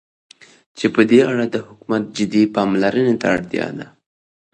چې په دې اړه د حكومت جدي پاملرنې ته اړتيا ده.